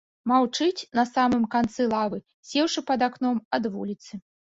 Маўчыць на самым канцы лавы, сеўшы пад акном ад вуліцы.